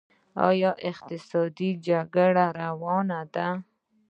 آیا اقتصادي جګړه روانه ده؟